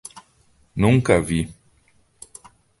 Nunca vi